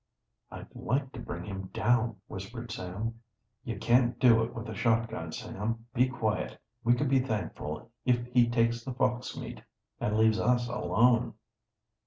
"I'd like to bring him down!" whispered Sam. "You can't do it with the shotgun, Sam. Be quiet! We can be thankful if he takes the fox meat and leaves us alone."